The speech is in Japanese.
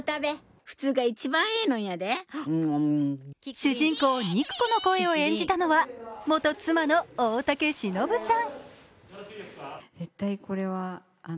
主人公・肉子の声を演じたのは元妻の大竹しのぶさん。